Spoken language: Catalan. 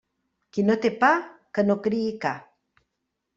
Qui no té pa, que no crie ca.